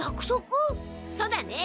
そうだね。